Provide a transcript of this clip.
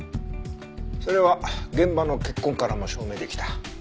それは現場の血痕からも証明出来た。